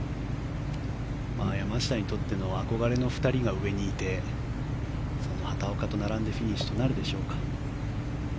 山下にとっての憧れの２人が上にいてその畑岡と並んでフィニッシュとなるでしょうか。